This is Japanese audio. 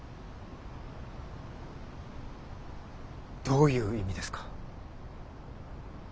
どういう意味ですか。